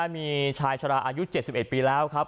มีชายชะลาอายุ๗๑ปีแล้วครับ